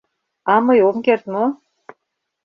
А мый ом керт мо?